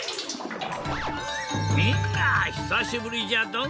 みんなひさしぶりじゃドン！